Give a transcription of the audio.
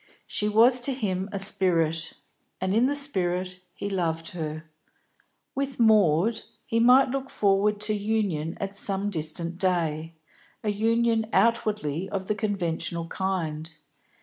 She was to him a spirit, and in the spirit he loved her. With Maud he might look forward to union at some distant day, a union outwardly of the conventional kind.